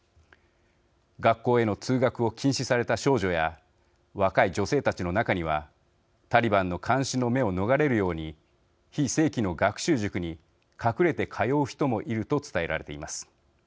学校への通学を禁止された少女や若い女性たちの中にはタリバンの監視の目を逃れるように非正規の学習塾に隠れて通う人もいると伝えられています。